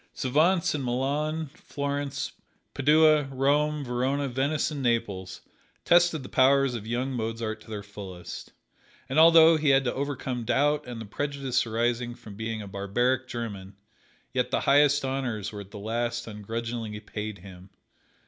Savants in Milan, Florence, Padua, Rome, Verona, Venice and Naples, tested the powers of young Mozart to their fullest; and although he had to overcome doubt and the prejudice arising from being "a barbaric German," yet the highest honors were at the last ungrudgingly paid him.